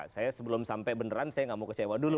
saya sebelum sampai beneran saya nggak mau kecewa dulu